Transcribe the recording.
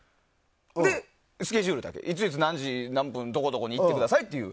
スケジュールだけいついつ何時、どこどこに行ってくださいっていう。